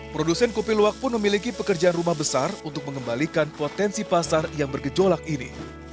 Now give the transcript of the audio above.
produsen kopi luwak pun memiliki pekerjaan rumah besar untuk mengembalikan potensi pasar yang bergejolak ini